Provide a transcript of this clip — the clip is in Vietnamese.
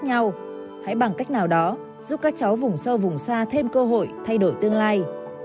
nếu các cháu học sinh mỗi vùng khác nhau hãy bằng cách nào đó giúp các cháu vùng sâu vùng xa thêm cơ hội thay đổi tương lai